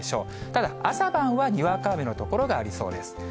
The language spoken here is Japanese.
ただ朝晩はにわか雨の所がありそうです。